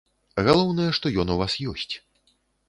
Галоўнае, што ён у вас ёсць.